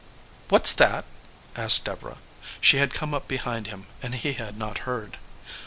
"What s that?" asked Deborah. She had come up behind him, and he had not heard.